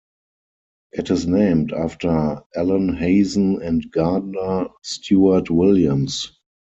It is named after Allen Hazen and Gardner Stewart Williams.